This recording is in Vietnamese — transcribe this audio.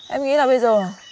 em nghĩ là bây giờ